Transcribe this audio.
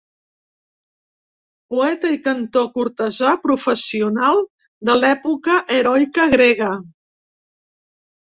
Poeta i cantor cortesà professional de l'època heroica grega.